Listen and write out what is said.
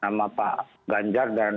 nama pak ganjar dan nama pak anies